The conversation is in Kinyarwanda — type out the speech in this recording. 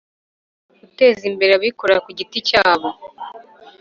guteza imbere abikorera ku giti cyabo,